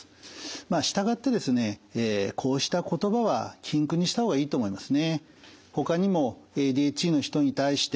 まあ従ってですねこうした言葉は禁句にした方がいいと思いますね。